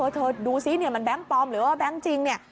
เธอดูสิมันแบงค์ปลอมหรือว่าแบงค์จริง